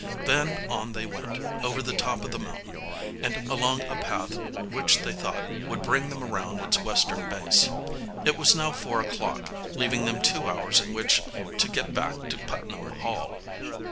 Then on they went, over the top of the mountain, and along a path which they thought would bring them around its western base. It was now four o'clock, leaving them two hours in which to get back to Putnam Hall.